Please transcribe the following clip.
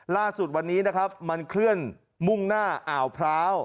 ล่าสุดวันนี้นะครับมันเคลื่อนมุ่งหน้าอ่าวพร้าว